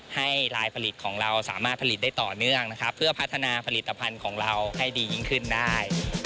ให้ลายผลิตของเราสามารถผลิตได้ต่อเนื่องนะครับเพื่อพัฒนาผลิตภัณฑ์ของเราให้ดียิ่งขึ้นได้